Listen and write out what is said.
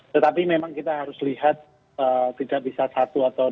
tetapi memang kita harus lihat tidak bisa satu atau